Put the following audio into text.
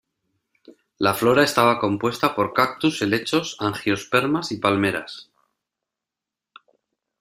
La flora estaba compuesta por cactus, helechos, angiospermas, y palmeras.